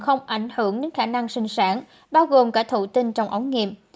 không ảnh hưởng đến khả năng sinh sản bao gồm cả thụ tinh trong ống nghiệm